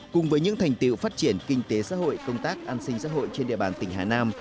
cùng với những thành tiệu phát triển kinh tế xã hội công tác an sinh xã hội trên địa bàn tỉnh hà nam